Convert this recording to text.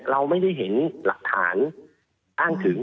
เราไม่ได้เห็นหลักฐานอ้างถึง